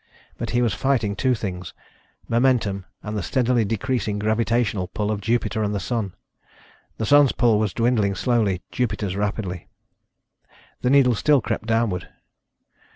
But he was fighting two things ... momentum and the steadily decreasing gravitational pull of Jupiter and the Sun. The Sun's pull was dwindling slowly, Jupiter's rapidly. The needle still crept downward.